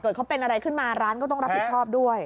เขาเป็นอะไรขึ้นมาร้านก็ต้องรับผิดชอบด้วย